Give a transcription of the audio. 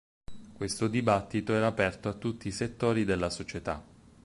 Questo dibattito era aperto a tutti i settori della società.